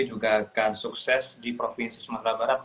juga akan sukses di provinsi sumatera barat